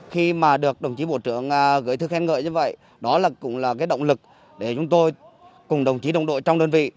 khi mà được đồng chí bộ trưởng gửi thư khen ngợi như vậy đó là cũng là cái động lực để chúng tôi cùng đồng chí đồng đội trong đơn vị